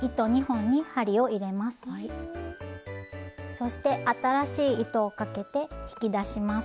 そして新しい糸をかけて引き出します。